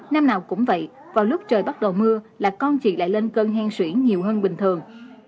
năm nào cũng vậy vào lúc trời bắt đầu mưa là con chị lại lên cơn hen xuyển nhiều hơn bình thường